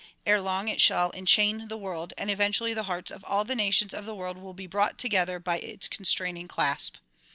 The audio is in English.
Ere long it shall enchain the world and eventually the hearts of all the nations of the world will be brought together by its constraining clasp.